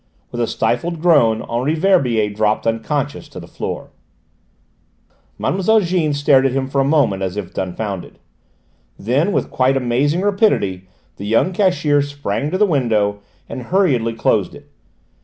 With a stifled groan, Henri Verbier dropped unconscious to the floor. Mlle. Jeanne stared at him for a moment, as if dumbfounded. Then with quite amazing rapidity the young cashier sprang to the window and hurriedly closed it.